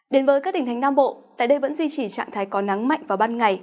đến với các tỉnh thánh nam bộ tại đây vẫn duy trì trạng thái có nắng mạnh vào ban ngày